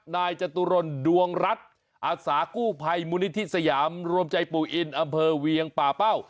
นายจตุรนดวงรัฐอาสากู้ภัยมูลนิธิสยามรวมใจปู่อินอำเภอเวียงป่าเป้า